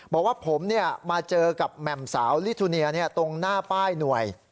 บอกว่าผมมาเจอกับแหม่มสาวลิทูเนียตรงหน้าป้ายหน่วย